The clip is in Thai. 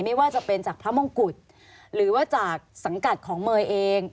ไม่ว่าจะเป็นจากพระมงกุฎหรือว่าจากสังกัดของเมย์เอง